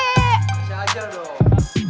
misi aja dong